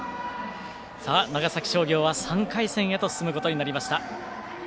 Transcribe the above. さあ、長崎商業は３回戦へと進むことになりました。